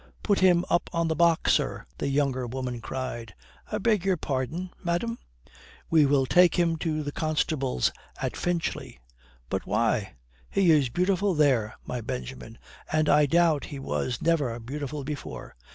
"Put him up on the box, sir," the younger woman cried. "I beg your pardon, madame?" "We will take him to the constables at Finchley." "But why? He is beautiful there, my Benjamin, and I doubt he was never beautiful before.